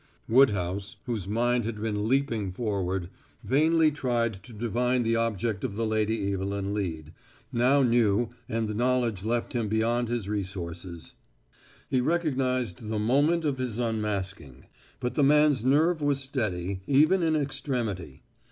Woodhouse, whose mind had been leaping forward, vainly trying to divine the object of the Lady Evelyn lead, now knew, and the knowledge left him beyond his resources. He recognized the moment of his unmasking. But the man's nerve was steady, even in extremity.